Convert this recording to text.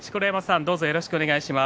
よろしくお願いします。